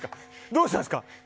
どうしたんですか。